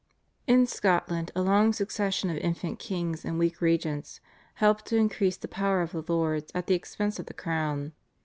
In Scotland a long succession of infant kings and weak regents helped to increase the power of the lords at the expense of the crown.